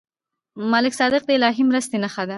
ملک صادق د الهي مرستې نښه ده.